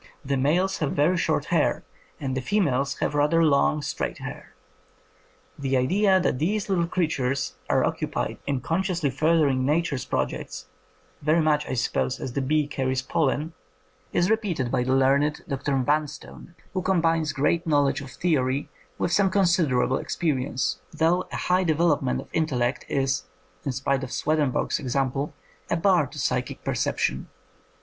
The males have very short hair, and the females have rather long, straight hair." The idea that these little creatures are occupied in consciously furthering Nature's projects — very much, I suppose, as the bee carries pollen — is repeated by the learned 138 INDEPENDENT EVIDENCE FOR FAIRIES Dr. Vanstone, who combines great knowl edge of theory with some considerable ex perience, though a high development of in tellect is, in spite of Swedenborg's example, a bar to psychic perception.